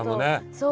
そう！